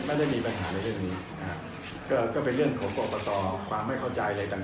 ไม่ได้มีปัญหาในเรื่องนี้นะฮะก็ก็เป็นเรื่องของกรกตความไม่เข้าใจอะไรต่าง